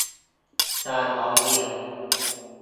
การร้องเรียน